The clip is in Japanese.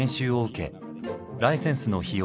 ライセンスの費用